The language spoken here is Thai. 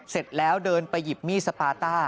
เสร็จแล้วเดินไปหยิบมีดสปาต้า